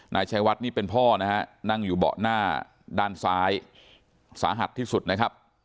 นายชัยวัดนี่เป็นพ่อนะฮะนั่งอยู่เบาะหน้าด้านซ้ายสาหัสที่สุดนะครับ